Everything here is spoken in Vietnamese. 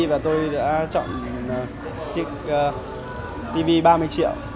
và tôi đã chọn chiếc tv ba mươi triệu